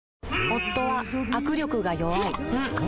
夫は握力が弱い